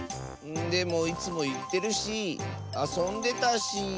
でもいつもいってるしあそんでたし。